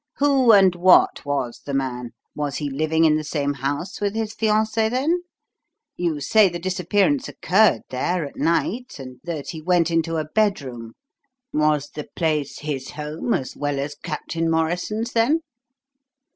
"Who and what was the man? Was he living in the same house with his fiancée, then? You say the disappearance occurred there, at night, and that he went into a bedroom. Was the place his home, as well as Captain Morrison's, then?"